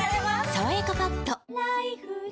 「さわやかパッド」